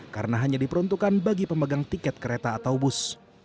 karena hanya diperuntukkan bagi pemegang tiket kereta atau bus